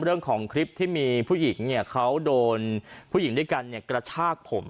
เรื่องของคลิปที่มีผู้หญิงเนี่ยเขาโดนผู้หญิงด้วยกันเนี่ยกระชากผม